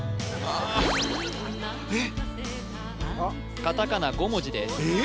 あっカタカナ５文字ですえっ？